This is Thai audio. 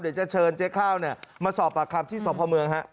เดี๋ยวจะเชิญเจ๊ข้าวเนี่ยมาสอบประคับที่ศพพระเมืองครับ